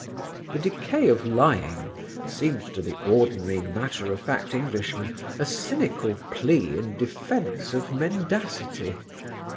"The Decay of Lying" seemed to the ordinary, matter of fact Englishman a cynical plea in defence of mendacity.